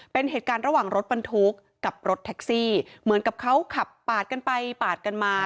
เป็นเหตุการณ์ระหว่างรถบรรทุกกับรถแท็กซี่เหมือนกับเขาขับปาดกันไปปาดกันมา